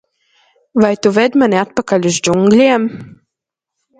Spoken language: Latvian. Vai tu ved mani atpakaļ uz Džungļiem?